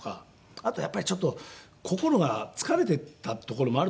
あとはやっぱりちょっと心が疲れてたところもあると思います。